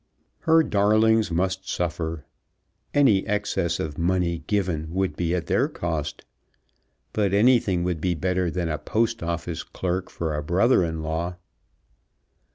Her darlings must suffer. Any excess of money given would be at their cost. But anything would be better than a Post Office clerk for a brother in law.